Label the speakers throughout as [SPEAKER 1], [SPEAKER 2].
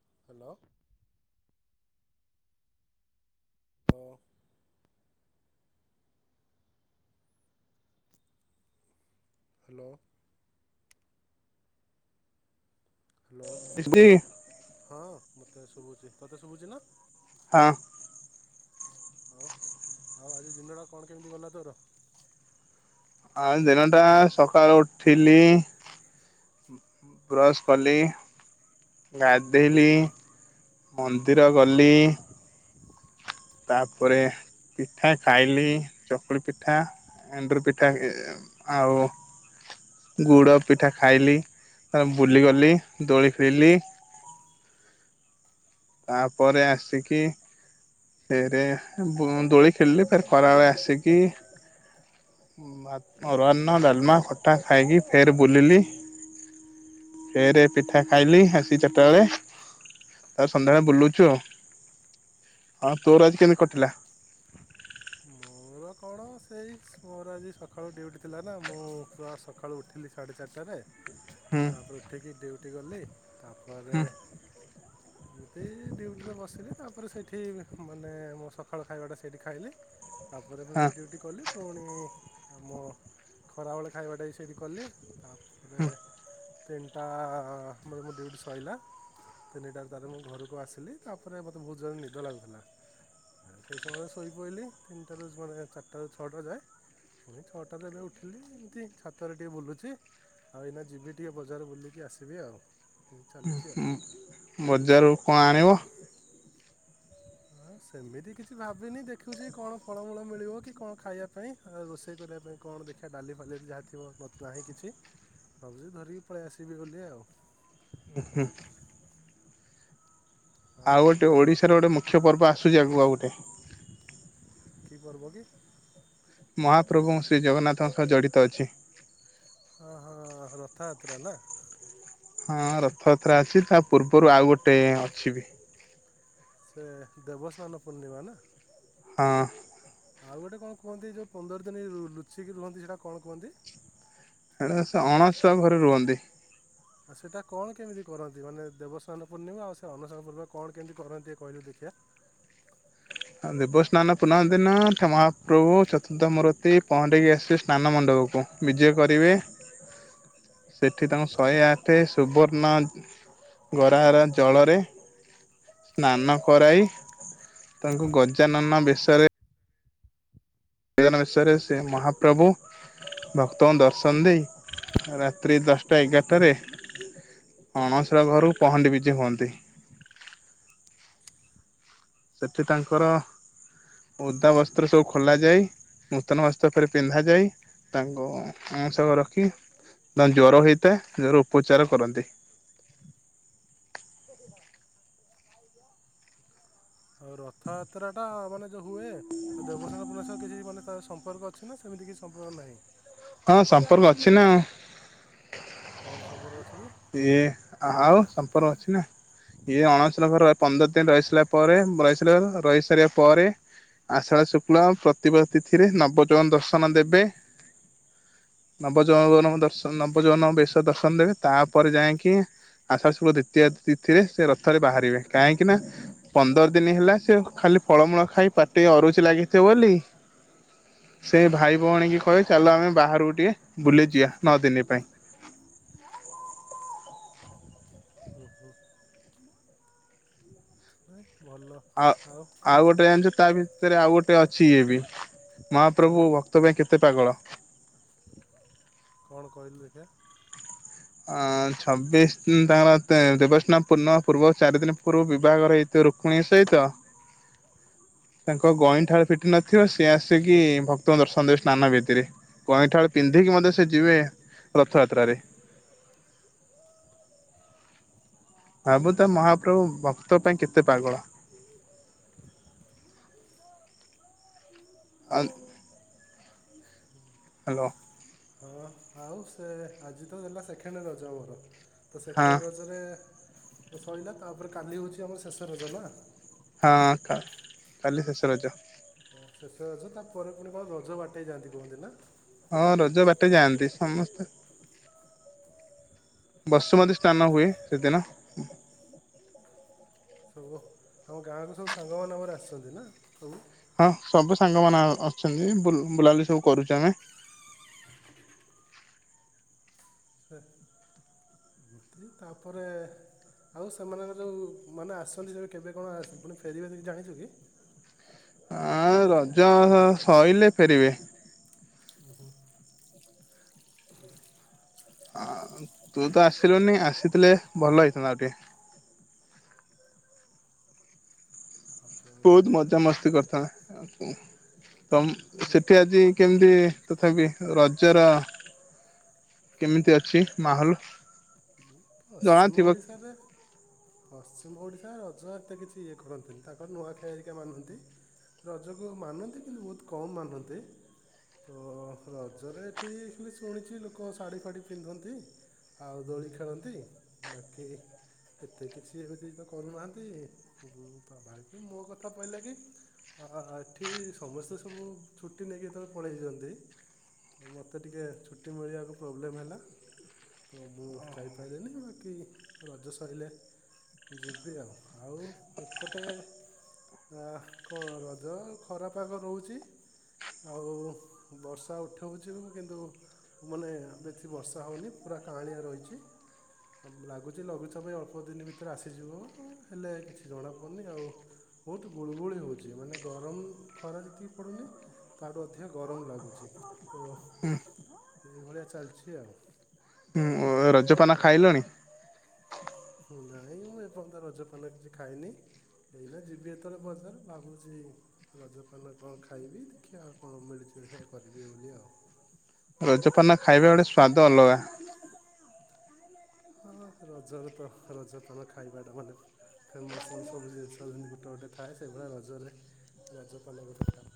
[SPEAKER 1] [inaudible] ଓ hello.
[SPEAKER 2] ହଁ
[SPEAKER 1] ହଁ। ଶୁଭୁଛି ତୋତେ ଶୁଭୁଛି ନା।
[SPEAKER 2] ହଁ।
[SPEAKER 1] ହଉ ଆଉ ଆଜି ଦିନଟା କଣ କେମିତି ଗଲା ତୋର?
[SPEAKER 2] ଆଉ ଦିନ ଟା ସକାଳୁ ଉଠିଲି। ବ୍ରଶ କଲି ଗାଧୋଇଲି ମନ୍ଦିର ଗଲି। ତାପରେ ପିଠା ଖାଇଲି ଚକୁଳି ପିଠା ଏଣ୍ଡୁରି ପିଠା ଆଉ ଗୁଡ଼ ପିଠା ଖାଇଲି ତା ବୁଲିଗଲି ଦୋଳି ଖେଳଲି। ତାପରେ ଆସିକି ଫେରେ ଦୋଳି ଖେଳିଲି ଫେର ଖରାବେେଳେ ଆସିକି ଅରୁଆ ଅନ୍ନ ଡାଲମା ଖଟା ଖାଇକି ଫେର ବୁଲିଲି ଫେରେ ପିଠା ଖାଇଲି ଆସିକି ଚାରିଟା ବେଳେ ତା ପରେ ସନ୍ଧ୍ୟାବେଳେ ବୁଲୁଛୁ ଆଉ ହଁ ତୋର ଆଜି କେମିତି କଟିଲା।
[SPEAKER 1] କଅଣ ସେଇ ମୋର ଆଜି ସକାଳୁ ଡ୍ୟୁଟି ଥିଲା ନା ମୁଁ ପୁରା ସକାଳୁ ଉଠିଲି ସାଢ଼େ ଚାରିଟାରେ
[SPEAKER 2] ହୁଁ
[SPEAKER 1] ତାପରେ ଉଠିକି ଡିଉଟି ଗଲେ ତାପ ଘରେ
[SPEAKER 2] ହୁଁ
[SPEAKER 1] ଏମିତି ଡ୍ୟୁଟିରେ ବସିଲି ତାପରେ ସେଇଠି ମାନେ ମୁଁ ସଖାଳ ଖାଇବାଟା ସେଇଠି ଖାଇଲି। ତାପରେ
[SPEAKER 2] ହଁ
[SPEAKER 1] ବି ପୁଣି ଆମ ଖରାବେଳେ ଖାଇବାଟା ସେଇଠି କଲି ତା ଏଵେ
[SPEAKER 2] ହୁଁ
[SPEAKER 1] ତିନିଟା ମେ ମୋ ଡ୍ୟୁଟି ସଇଲା। ତିନିଟାରେ ତାର ମୁଁ ଘରକୁ ଆସିଲି ତାପରେ ମୋତେ ବହୁତ ଜୋରରେ ନିଦ ଲାଗୁଥିଲା ସେଇ ସମୟରେ ଶୋଇ ପଇଲି ତିନିଟାରୁ ମାନେ ଚାର୍ ଆଠଟାରୁ ଛଅଟା ଯାଏ ପୁଣି ଛଅଟାରୁ ଏବେ ଉଠିଲି ଏମିତି ଛାତରେ ଟିକେ ବୁଲୁଛି ଆଉ ଏଇନା ଯିବି ଟିକେ ବଜାର ବୁଲିକି ଆସିବି ଆଉ। ଏମିତି
[SPEAKER 2] ଉଁ
[SPEAKER 1] ଚାଲିଛି ଆଉ
[SPEAKER 2] ହୁଁ ବଜାରରୁ କଣ ଆଣିବ?
[SPEAKER 1] ହଁ ସେମିତି କିଛି ଭାବିନି ଦେଖୁଛି କଣ ଫଳମୂଳ ମିଳିବ କି କଣ ଖାଇବା ପାଇଁ ଆଉ ରୋଷେଇ କରିବା ପାଇଁ କଣ ଦେଖିବା ଡାଲି ଫାଲି ଯାହା ଥିବ ନାହିଁ କିଛି ଭାବୁଛି ଧରିକି ପଳେଇ ଆସିବି ବୋଲି ଆଉ।
[SPEAKER 2] ଉଁ ହୁଁ। ଆଉ ଗୋଟେ ଓଡିଶାର ଗୋଟେ ମୁ ଖ୍ୟ ପର୍ବ ଆସୁଛି ଆଗକୁ ଆଉ ଗୋଟେ।
[SPEAKER 1] କି ପର୍ବ କି?
[SPEAKER 2] ମହାପ୍ରଭୁ ଶ୍ରୀ ଜଗନ୍ନାଥଙ୍କ ସହ ଜଡ଼ିତ ଅଛି।
[SPEAKER 1] ହଁ ହଁ ରଥଯାତ୍ରା ନା?
[SPEAKER 2] ହଁ ରଥଯାତ୍ରା ଅଛି ତା ପୂର୍ବରୁ ଆଉ ଗୋଟେ ଅଛି ବି।
[SPEAKER 1] ସେ ଦେବସ୍ନାନ ପୂର୍ଣ୍ଣିମା ନା?
[SPEAKER 2] ହଁ।
[SPEAKER 1] ଆଉ ଗୋଟେ କଣ କୁହନ୍ତି ଯେଉଁ ପନ୍ଦର ଦିନ ଲୁଚିକି ରୁହନ୍ତି ସେଇଟାକୁ କଣ କୁହନ୍ତି?
[SPEAKER 2] ହେଣେ ସେ ଅଣସୁଆ ଘରେ ରୁହନ୍ତି।
[SPEAKER 1] ଆଉ ସେଟା କଣ କେମିତି କରନ୍ତି ମାନେ ଦେବସ୍ନାନ ପୂର୍ଣ୍ଣିମା ଆଉ ସେ ଅନସନ ପୂର୍ଣିମା କଣ କେମିତି କରନ୍ତି କହିଲୁ ଦେଖିଆ?
[SPEAKER 2] ଦେବସ୍ନାନ ପୁଣ୍ଣମୀ ଦିନ ମହାପ୍ରଭୁ ଚତୁର୍ଦ୍ଧାମୂର୍ତ୍ତି ପହଁଣ୍ଡି ହେଇ ଆସିବେ ସ୍ନାନ ମଣ୍ଡପକୁ ବିଜେ କରିବେ ସେଠି ତାଙ୍କୁ ଶହେ ଆଠ ସୁବର୍ଣ୍ଣ ଗରାର ଜଳରେ ସ୍ନାନ କରାଇ। ତାଙ୍କୁ ଗଜାନନ ବେଶରେ ଗଜାନନ ବେଶରେ ସେ ମହାପ୍ରଭୁ ଭକ୍ତଙ୍କୁ ଦର୍ଶନ ଦେଇ ରାତ୍ରି ଦଶଟା ଏଗାରଟାରେ ଅଣସର ଘରୁ ପହଣ୍ଡି ବିଜିି ହୁଅନ୍ତି। ସେଠି ତାଙ୍କର ଓଦା ବସ୍ତ୍ର ସବୁ ଖୋଲ ଯାଇ ନୂତନ ବସ୍ତ୍ର ଉପରେ ପିନ୍ଧାଯାଇ ତାଙ୍କୁ ଅଣସର ରଖି ଜର ହେଇଥାଏ ଜର ଉପଚାର କରନ୍ତି।
[SPEAKER 1] ଆଉ ରଥଯାତ୍ରା ଟା ମାନେ ଯୋଉ ହୁଏ ଆଉ ଦେବସ୍ନାନ ପୂର୍ଣ୍ଣିମା ସହ କିଛି ମାନେ ତା ସମ୍ପର୍କ ଅଛି ନା ସେମିତି କିଛି ସମ୍ପର୍କ ନାହିଁ।
[SPEAKER 2] ହଁ ସମ୍ପର୍କ ଅଛି ନା।
[SPEAKER 1] କଣ ସମ୍ପର୍କ ଅଛି? କି?
[SPEAKER 2] ଇଏ ଆଉ ସମ୍ପର୍କ ଅଛି ନା ଇଏ ଅଣସର ଘର ର ପନ୍ଦର ଦିନ ରହି ସାରିଲା ପରେ ରହିସାରିଲା ରହି ସାରିବା ପରେ ଆଷାଢ ଶୁକ୍ଲ ପ୍ରତିଭା ତିଥିରେ ନବଯୈବନ ଦର୍ଶନ ଦେବେ ନବଯୈବନ ଦର୍ଶନ ନବଯୌବନ ବେଶ ଦର୍ଶନ ଦେବେ ତାପରେ ଯାଇକି ଆଷାଢ ଶୁକ୍କ ଦ୍ଵିତୀୟ ତିଥିରେ ସେ ରଥରେ ବାହାରିବେ କାହିଁକି ନା ପନ୍ଦର ଦିନ ହେଲା ସେ ଖାଲି ଫଳମୂଳ ଖାଇ ପାଟି ଅରୁଚି ଲାଗିଥିବ ବୋଲି ସେ ଭାଇ ଭଉଣୀ କି କହେ ଚାଲ ଆମେ ବାହାରକୁ ଟିକେ ବୁଲିଯିବା ନଅ ଦିନ ପାଇଁ।
[SPEAKER 1] ନାଇଁ ଭଲ
[SPEAKER 2] ଆଉ ଆଉ ଗୋଟେ ଜାଣିଛ ତା ବି ସେରେ ଆଉ ଗୋଟେ ଅଛି ଇଏ ବି
[SPEAKER 1] କଣ କି
[SPEAKER 2] ମହାପ୍ରଭୁ ଭକ୍ତ ପାଇଁ କେତେ ପାଗଳ।
[SPEAKER 1] କଣ କହିଲୁ ଦେଖିଆ
[SPEAKER 2] ଅ ଛବିଶ ତାଙ୍କର ତେ ଦେବସ୍ନାନ ପୂର୍ଣ୍ଣିମା ପୂର୍ବ ଚାରି ଦିନ ପୂର୍ବ ବିବାହର ହେଇଥିବ ରୁକ୍ମଣୀ ଙ୍କ ସହିତ ତାଙ୍କ ଗଇଁଠାଳ ଫିଟି ନଥିବ ସିଏ ଆସିକି ଭକ୍ତଙ୍କୁ ଦର୍ଶନ ଦେବେ ସ୍ନାନ ବେଦିରେ ଗଇଁଠାଳ ପିନ୍ଧିକି ମଧ୍ୟ ସେ ଯିବେ ରଥଯାତ୍ରାରେ। ଭାବୁ ଥା
[SPEAKER 1] ଓହୋ
[SPEAKER 2] ମହାପ୍ରଭୁ ଭ ଭକ୍ତ ଙ୍କ ପାଇଁ କେତେ ପାଗଳ। ଆଉ ହାଲୋ।
[SPEAKER 1] ହଁ ଆଉ ସେ ଆଜି ତ ଗଲା ସେକେଣ୍ଡ ରଜ ଆମର। ତ
[SPEAKER 2] ହଁ
[SPEAKER 1] ସେକେଣ୍ଡ ରଜରେ ତ ସରିଲା ତାପରେ କାଲି ହଉଛି ଆମର ଶେଷ ରଜ ନା।
[SPEAKER 2] ହଁ କ କାଲି ଶେଷ ରଜ।
[SPEAKER 1] ଓ ଶେଷ ରଜ ତାପରେ ପୁଣି କଣ ରଜ ବାଟେଇ ଯାଆନ୍ତି କୁହନ୍ତି ନା?
[SPEAKER 2] ହଁ ରଜ ବାଟେ ଯାଆନ୍ତି ସମସ୍ତେ ବସୁମତୀ ସ୍ନାନ ହୁଏ ସେଦିନ।
[SPEAKER 1] ସବୁ ଆମ ଗାଁ କୁ ସବୁ ସାଙ୍ଗ ମାନେ ଆମର ଆସିଛନ୍ତି ନା ସବୁ।
[SPEAKER 2] ହଁ ସବୁ ସାଙ୍ଗ ମାନେ ଅଛନ୍ତି ବୁଲାବଲି ସବୁ କରୁଛୁ ଆମେ।
[SPEAKER 1] ସେ ଏମିତି ତାପରେ ଆଉ ସେମାନଙ୍କର ଯଉ ମାନେ ଆସନ୍ତି ସେ କେବେ କଣ ପୁଣି ଫେରିବେ ସେ ଜାଣିଛୁ କି?
[SPEAKER 2] ହଁ ରଜ ସଇଲେ ଫେରିବେ।
[SPEAKER 1] ଉଁ ହୁଁ।
[SPEAKER 2] ତୁ ତ ଆସିଲୁନି ଆସିଥିଲେ ଭଲ ହେଇଥାନ୍ତା ଆଉ ଟିକେ।
[SPEAKER 1] ତାପରେ
[SPEAKER 2] ବହୁତ ମଜା ମସ୍ତି କରିଥାନ୍ତେ ତ ସେଠି ଆଜି କେମିତି ତଥାପି ରଜର କେମିତି ଅଛି ମାହୋଲ?
[SPEAKER 1] ପଶ୍ଚିମ
[SPEAKER 2] ଜଣାଥିବ
[SPEAKER 1] ଓଡ଼ିଶାରେ ପଶ୍ଚିମ ଓଡ଼ିଶା ତା ରଜ ଏତେ କିଛି ଇଏ କରନ୍ତିନି ତାଙ୍କର ନୂଆ ଖାଇହେରିକା ମାନନ୍ତି ରଜକୁ ମାନନ୍ତି କିନ୍ତୁ ବହୁତ କମ୍ ମାନନ୍ତି ତ ରଜରେ ଏଠି ଖାଲି ଶୁଣିଛି ଲୋକ ଶାଢ଼ୀ ଫାଢ଼ୀ ପିନ୍ଧନ୍ତି ଆଉ ଦୋଳି ଖେଳନ୍ତି ବାକି ଏତେ କିଛି ଏମିତି ତ କରୁନାହାନ୍ତି କି [unintelligible] ମୋ କଥା କହିଲା କି ଏଠି ସମସ୍ତେ ସବୁ ଛୁଟି ନେଇକି ଯେତେବେଳେ ପଳେଇଛନ୍ତି ତ ମୋତେ ଟିକେ ଛୁଟି ମିଳିବାକୁ ପ୍ରୋବ୍ଲେମ୍ ହେଲା ତ ମୁଁ ଯାଇପାରିଲିନି। ବାକି ରଜ ସରିଲେ ଯିବି ଆଉ ଆଉ ଏପଟେ କଣ ରଜ ଖରା ପାଗ ରହୁଛି ଆଉ ବର୍ଷା ଉଠଉଛି କିନ୍ତୁ ମାନେ ବେଶି ବର୍ଷା ହେଉନି ପୁରା କାଁଳିଆ ରହିଛି। ଲାଗୁଛି ଲଘୁଚାପ ଏଇ ଅଳ୍ପ ଦିନ ଭିତରେ ଆସିଯିବ ହେଲେ କିଛି ଜଣାପଡ଼ୁନି ଆଉ ବହୁତ ଗୁଳୁଗୁଳି ହଉଛି ମାନେ ଗରମ ଖରା ଯେତିକି ପଡୁନି ତାଠୁ ଅଧିକ ଗରମ ଲାଗୁଛି ତ ଏଇଭଳିଆ ଚାଲିଛି ଆଉ।
[SPEAKER 2] ରଜପାନ ଖାଇଲଣି?
[SPEAKER 1] ନାଇଁ ମୁଁ ଏପର୍ଯ୍ୟନ୍ତ ରଜପାନ କିଛି ଖାଇନି ଏଇନା ଯିବି ଏତେଳେ ବଜାର ଭାବୁଛି ରଜପାନ କଣ ଖାଇବି ଦେଖିବା ଆଉ କଣ ମିଳୁଛି ଦେଖୀ କରିବି ବୋଲି। ଆଉ।
[SPEAKER 2] ରଜପାନ ଖାଇବା ଗୋଟେ ସ୍ଵାଦ ଅଲଗା।
[SPEAKER 1] ହଁ ରଜରେ ତ ରଜପାନ ଖାଇବାଟା ମାନେ ଫେମସ୍ ମାନେ ସବୁ ଜିନିଷ ଯେମିତି ଗୋଟେ ଗୋଟେ ଥାଏ ସେଇଭଳିଆ ରଜରେ ରଜପାନ ଗୋଟେ ଖ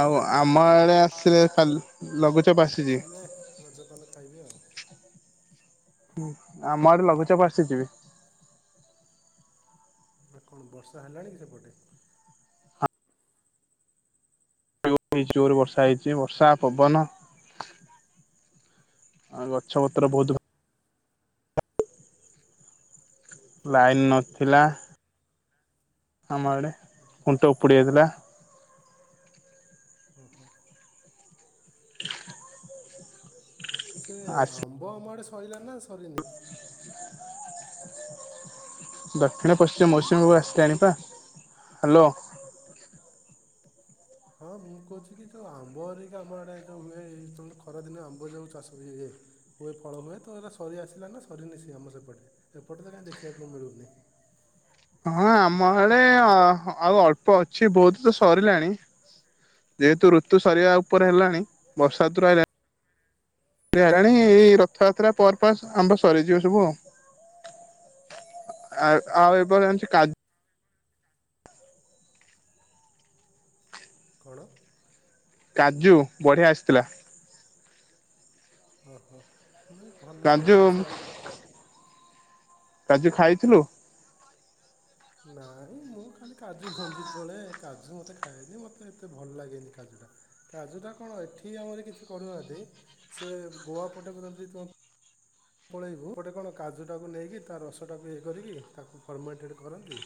[SPEAKER 2] ଆଉ ଆ ଆମ ଆଡେ ଆସିଥିଲା କାଲି ଲଘୁଚାପ ଆସିଚି
[SPEAKER 1] ମିଳିଲେ ରଜପାନ ଖାଇବି ଆଉ।
[SPEAKER 2] ଆମ ଆଡେ ଲଘୁଚାପ ଆସିଚି ବି
[SPEAKER 1] ନା କଣ ବର୍ଷା ହେଲାଣି କି ସେପଟେ?
[SPEAKER 2] [unintelligible] ଜୋରେ ବର୍ଷା ହେଇଛି ବର୍ଷା ପବନ ଆ ଗଛପତ୍ର ବହୁତ ଲାଇନ୍‌ ନଥିଲା ଆମଆଡେ ଖୁଣ୍ଟ ଉପୁଡି ଯାଇଥିଲା।
[SPEAKER 1] ଓହୋ
[SPEAKER 2] [unintelligible]
[SPEAKER 1] ସେ
[SPEAKER 2] ଆସି
[SPEAKER 1] ଆମ୍ବ ଆମ ଆଡେ ସ ସରିଲା ନା ସରିନି
[SPEAKER 2] ଦକ୍ଷିଣ ପଶ୍ଚିମ ମୌସୁମୀ ବାୟୁ
[SPEAKER 1] ହ୍ୟାଲୋ।
[SPEAKER 2] ଆସିିଲାଣି ପା ହ୍ୟାଲୋ
[SPEAKER 1] ହଁ ମୁଁ କହୁଛି କି ଯୋଉ ଆମ୍ବରିକା ଆମ ଆଡେ ଯୋଉ ହୁଏ ଖରାଦିନ ଆମ୍ବ ଯୋଉ ଚାଷ ହୁଏ ହୁଏ ଫଳ ହୁଏ ତ ଏରା ସରି ଆସିଲା ନା ସରିନି ଆମ୍ବ ସେ ଆମ ସେପଟେ ଏପଟେ ତ କାହିଁ ଦେଖିବାକୁ ମିଳୁନି।
[SPEAKER 2] ହଁ ଆମ ଆଡେ ଆଉ ଅଳ୍ପ ଅଛି ବହୁତ ତ ସରିଲାଣି ଯେହେତୁ ଋତୁ ସରିବା ଉପରେ ହେଲାଣି ବର୍ଷାତ ହେଲାଣ ହେଲାଣି ଏଇ ରଥଯାତ୍ରା ପରପ ଆମ୍ବ ସରିଯିବ ସବୁ ଆଉ ଆ ଆଉ ଏବେ ଆଣିଛି କାଜୁ
[SPEAKER 1] କଣ?
[SPEAKER 2] କାଜୁ ବଢ଼ିଆ ଆସିଥିଲା।
[SPEAKER 1] ଓ ହୋ। ନାଇଁ ଭଲ ଏ
[SPEAKER 2] କାଜୁ
[SPEAKER 1] ବର୍ଷ
[SPEAKER 2] କାଜୁ ଖାଇଥିଲୁ?
[SPEAKER 1] ନାଇଁ ମୁଁ ଖାଲି କାଜୁ ଭଞ୍ଜି ଯେ ବେଳେ କାଜୁ ମତେ ଖାଏନି ମତେ ଏତେ ଭଲ ଲାଗେନି କାଜୁ ଟା କାଜୁ ଟା କଣ ଏଠି ଆମର କିଛି କରୁନାହାନ୍ତି ସେ ଗୋଆ ପଟେ [unintelligible] ଆ ପଳେଇବୁ ଗୋଟେ କଣ କାଜୁ ଟାକୁ ନେଇକି ତା ରସଟାକୁ ଇଏ କରିକି ତାକୁ ଫର୍ମେଣ୍ଟେଡ କରନ୍ତି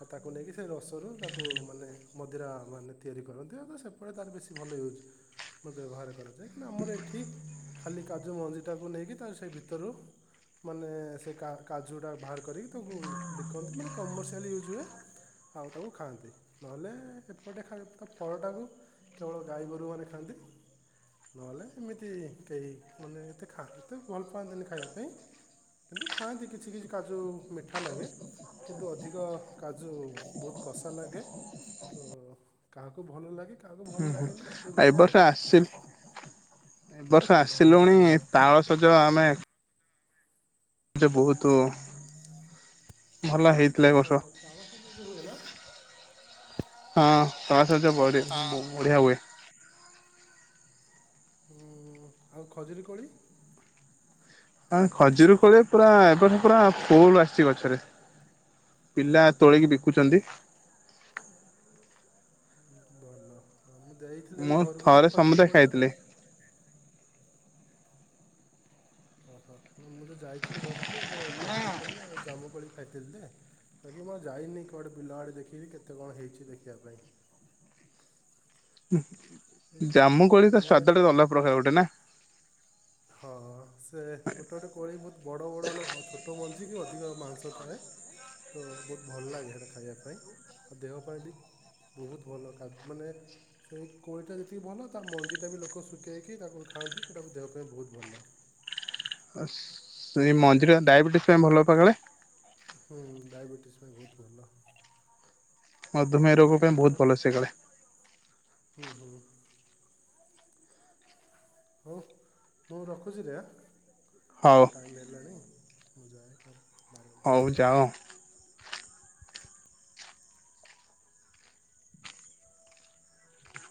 [SPEAKER 1] ଆଉ ତାକୁ ନେଇକି ସେ ରସରୁ ତାକୁ ମାନେ ମଧିରା ମାନେ ତିଆରି କରନ୍ତି। ଆଉ ସେପଟେ ତାର ବେଶୀ ଭଲ ୟୁଜ ବ୍ୟବହାର କରାଯାଏ କିନ୍ତୁ ଆମର ଏଠି ଖାଲି କାଜୁ ମଞ୍ଜି ଟାକୁ ନେଇକି ତା ସେ ଭୀ ତରୁ ମାନେ ସେ କା-କାଜୁଟା ବାହାର କରିକି ତାକୁ ବିକନ୍ତି ମାନେ କମର୍ସିଆଲି ୟୁଜ୍ ହୁଏ। ଆଉ ତାକୁ ଖାଆନ୍ତି ନହେଲେ ଏପଟେ ଖା ତା ଫଳଟାକୁ କେବଳ ଗାଈ ଗୋରୁ ମାନେ ଖାଆନ୍ତି ନହେଲେ ଏମିତି କେହି ମାନେ ଖା ଏତେ ଭଲ ପାଆନ୍ତିନି ଖାଇବା ପାଇଁ କିନ୍ତୁ ଖାଆନ୍ତି କିଛି କିଛି କାଜୁ ମିଠା ଲାଗେ କିନ୍ତୁ ଅଧିକ କାଜୁ ବହୁତ କଷା ଲାଗେ ତ କାହାକୁ ଭଲ ଲାଗେ କାହାକୁ ଭଲ
[SPEAKER 2] ହୁଁ ହୁଁ
[SPEAKER 1] ଲାଗେନି।
[SPEAKER 2] ଏ
[SPEAKER 1] ଏଇଭଳିଆ ଆଉ
[SPEAKER 2] ବର୍ଷ ଆସି ଏ ବର୍ଷ ଆସିଲୁଣି ତାଳସଜ ଆମେ ଯେ ବୋହୁତୁ
[SPEAKER 1] ହଁ ତାଳ ସଜ ବି ହୁଏ ନା।
[SPEAKER 2] ହଁ ହ ସଜ ବଢ଼ି ବଢ଼ିଆ ହୁଏ।
[SPEAKER 1] ଉଁ ଆଉ ଖଜୁରୀ କୋଳି?
[SPEAKER 2] ଆଁ ଖଜୁରୀ କୋଳି ପୁରା ଏ ବର୍ଷ ପୁରା ଫୁଲ ଆସିଚି ଗଛରେ ପିଲା ତୋଳକି ବିକୁଚନ୍ତି।
[SPEAKER 1] ଭଲ। ମୁଁ ଯାଇଥିଲି ଏବେ
[SPEAKER 2] ମୁଁ
[SPEAKER 1] ଘରୁକୁ ଯେ
[SPEAKER 2] ଥରେ
[SPEAKER 1] ଖଜୁରୀ
[SPEAKER 2] ସମୁଦାୟ
[SPEAKER 1] କୋଳି
[SPEAKER 2] ଖାଇଥିଲି।
[SPEAKER 1] ଆଉ ଓହୋ ନାଊ ମୁଁ ଯା ଯାଇଥିଲି ଘରୁକୁ ଏବେ ଖଜୁରୀ କୋଳି ଆଉ ଜାମୁ କୋଳି ଖାଇଥିଲି ଦେ ବାକି ମୁଁ ଆଉ ଯାଇନେଇ କୁଆଡ଼େ ବିଲ ଆଡେ ଦେଖିବି କେତେ କଣ ହେଇଚି ଦେଖିବା ପାଇଁ।
[SPEAKER 2] ହୁଁ।
[SPEAKER 1] ଏଇ
[SPEAKER 2] ଜାମୁ କୋଳି ତା
[SPEAKER 1] ଏଇଭଳିଆ
[SPEAKER 2] ସ୍ଵାଦଟା ଅଲଗା ପ୍ରକାର ଗୋଟେ ନାଁ।
[SPEAKER 1] ହଁ ସେ ଗୋଟେ ଗୋଟେ କୋଳି ବୋହୁତ ବଡ଼ ବଡ଼ ମାନେ ଛୋଟ ମଞ୍ଜିିକୁ ଅ ଅଧିକ ମାଂସ ଥାଏ ତ ବୋହୁତ ଭଲ ଲାଗେ ହେଟା ଖାଇବା ପାଇଁ ଆଉ ଦେହ ପାଇଁ ବି ବହୁତ ଭଲ ଖା ମାନେ ସେଇ କୋଳିଟା ଯେତିକି ଭଲ ତା ମଞ୍ଜିଟା ବି ଲୋକ ଶୁଖେଇକି ତାକୁ ଖାଆନ୍ତି ସେଇଟାକୁ ଦେହ ପାଇଁ ବହୁତ [unintelligible]
[SPEAKER 2] ଆ ସେଇ ମଞ୍ଜିଟା ଡାଇବେଟିସ ପାଇଁ ଭଲ ପା କାଳେ?
[SPEAKER 1] ହୁଁ ଡାଇବେିଟିସ ପାଇଁ ବହୁତ୍ ଭଲ।
[SPEAKER 2] ମଧୁମେୟ ରୋଗ ପାଇଁ
[SPEAKER 1] ହଉ
[SPEAKER 2] ବହୁତ୍ ଭଲ ସିଏ
[SPEAKER 1] ହୁଁ
[SPEAKER 2] କାଳେ।
[SPEAKER 1] ହୁଁ ହୋଉ ମୁଁ ରଖୁଚିରେ
[SPEAKER 2] ହଉ
[SPEAKER 1] ହେଁ। ଏ ଟାଇମ ହେଲାଣି। ମୁଁ ଯାଏ ମାରେ
[SPEAKER 2] ହଉ ଯାଅ।